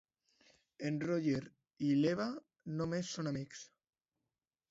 En Roger i l'Eva només són amics.